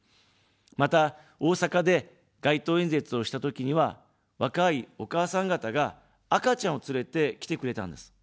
また、大阪で街頭演説をしたときには、若いお母さん方が、赤ちゃんを連れて来てくれたんです。